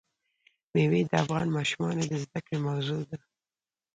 مېوې د افغان ماشومانو د زده کړې موضوع ده.